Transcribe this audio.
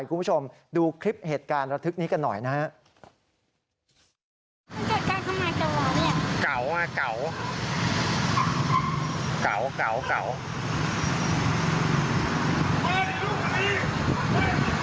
คุณผู้ชมดูคลิปเหตุการณ์ระทึกนี้กันหน่อยนะครับ